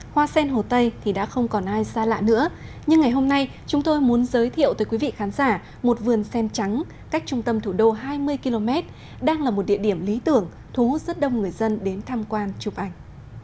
hoa sen hồ tây thì đã không còn ai xa lạ nữa nhưng ngày hôm nay chúng tôi muốn giới thiệu tới quý vị khán giả một vườn sen trắng cách trung tâm thủ đô hai mươi km đang là một địa điểm lý tưởng thu hút rất đông người dân đến tham quan chụp ảnh